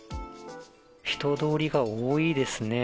人通りが多いですね。